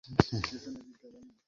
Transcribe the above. বাবা, পারাসু চাচা কোথায় জিজ্ঞেস করো?